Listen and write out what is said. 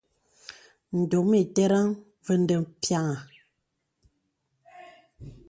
Ndōm iterəŋ və̀ mde piàŋha.